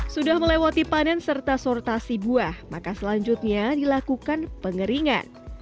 sudah melewati panen serta sortasi buah maka selanjutnya dilakukan pengeringan